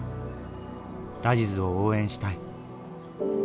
ラジズを応援したい。